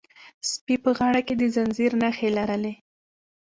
سپي په غاړه کې د زنځیر نښې لرلې.